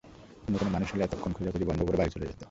অন্য কোনো মানুষ হলে এতক্ষণ খোঁজাখুঁজি বন্ধ করে বাড়ি চলে যেত।